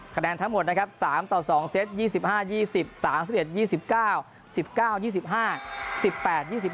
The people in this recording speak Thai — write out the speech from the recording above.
คะแนนทั้งหมดนะครับ๓ต่อ๒เซต๒๕๒๐๓๑๒๙๑๙๒๕๑๘๒๕